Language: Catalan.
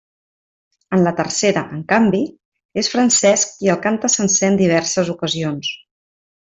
En la tercera, en canvi, és Francesc qui el canta sencer en diverses ocasions.